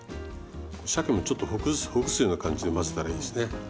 しゃけもちょっとほぐすような感じで混ぜたらいいですね。